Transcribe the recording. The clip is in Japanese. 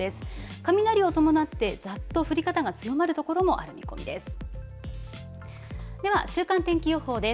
雷を伴って、ざっと降り方が強まる所もある見込みです。